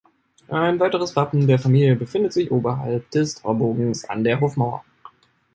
Ein weiteres Wappen der Familie befindet sich oberhalb des Torbogens an der Hofmauer.